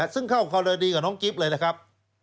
ซึ่งเข้าในกรณีกับน้องกิ๊บเลยล่ะครับ